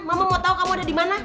mama mau tau kamu udah dimana